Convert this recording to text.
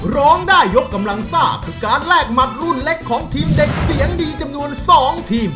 ร้องได้ยกกำลังซ่าคือการแลกหมัดรุ่นเล็กของทีมเด็กเสียงดีจำนวน๒ทีม